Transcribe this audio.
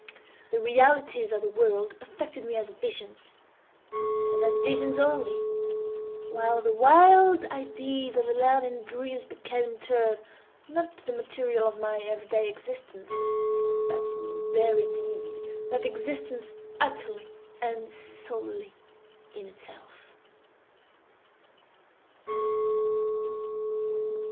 The realities of the world affected me as visions, and as visions only, while the wild ideas of the land of dreams became, in turn, not the material of my every day existence, but in very deed that existence utterly and solely in itself.